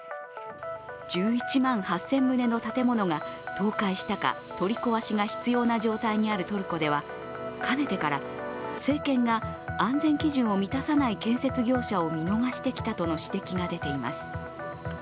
１１万８０００棟の建物が倒壊したか、取り壊しが必要な状態にあるトルコではかねてから政権が安全基準を満たさない建設業者を見逃してきたとの指摘が出ています。